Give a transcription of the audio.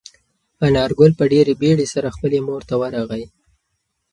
انارګل په ډېرې بیړې سره خپلې مور ته ورغی.